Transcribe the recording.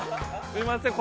◆すいません。